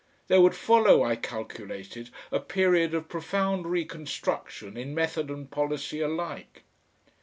There would follow, I calculated, a period of profound reconstruction in method and policy alike.